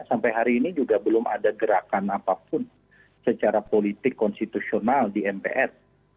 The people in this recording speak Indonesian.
sampai hari ini juga belum ada gerakan apapun secara politik konstitusional di mpr